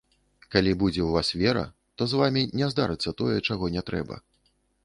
Калі будзе ў вас вера, то з вамі не здарыцца тое, чаго не трэба.